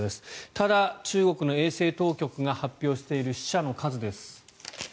ただ、中国の衛生当局が発表している死者の数です。